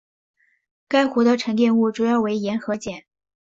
该湖的沉积物主要为盐和碱。